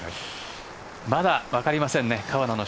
まだ分かりませんね